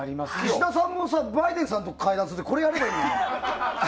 岸田さんもバイデンさんと会談する時これをやればいいのに。